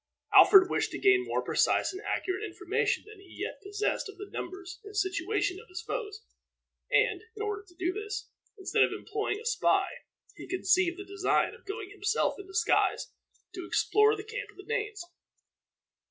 Alfred wished to gain more precise and accurate information than he yet possessed of the numbers and situation of his foes; and, in order to do this, instead of employing a spy, he conceived the design of going himself in disguise to explore the camp of the Danes.